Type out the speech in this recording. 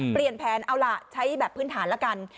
เปลี่ยนแผนเอาล่ะใช้แบบพื้นฐานละกัน